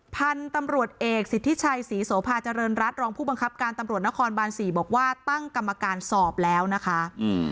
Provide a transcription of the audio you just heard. พันธุ์ตำรวจเอกสิทธิชัยศรีโสภาเจริญรัฐรองผู้บังคับการตำรวจนครบานสี่บอกว่าตั้งกรรมการสอบแล้วนะคะ